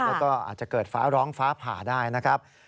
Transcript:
แล้วก็อาจจะเกิดฟ้าร้องฟ้าผ่าได้นะครับ